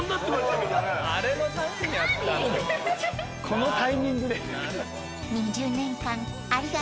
このタイミングで。